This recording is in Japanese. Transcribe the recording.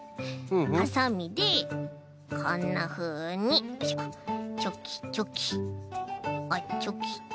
はさみでこんなふうにチョキチョキあっチョキチョキ。